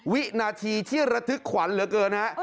วินาทีที่ระทึกขวัญเหลือเกินฮะ